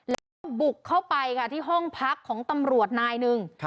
แล้วก็บุกเข้าไปค่ะที่ห้องพักของตำรวจนายหนึ่ง